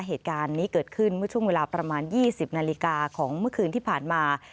เหตุการณ์นี้เกิดขึ้นเมื่อช่วงเวลาประมาณ๒๐นาฬิกาของเมื่อคืนที่ผ่านมา